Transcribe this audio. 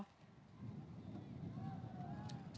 sosialisasi sudah dilakukan